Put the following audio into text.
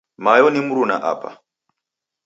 Mayo ni mruna apa.